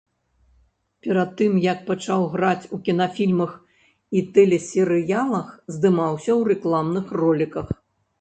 Перад тым як пачаць граць у кінафільмах і тэлесерыялах, здымаўся ў рэкламных роліках.